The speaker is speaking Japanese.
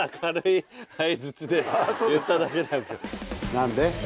「何で？」